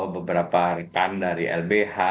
beberapa rekan dari lbh